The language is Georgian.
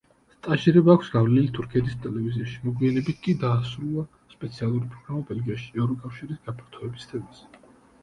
სტაჟირება აქვს გავლილი თურქეთის ტელევიზიაში, მოგვიანებით კი დაასრულა სპეციალური პროგრამა ბელგიაში, ევროკავშირის გაფართოების თემაზე.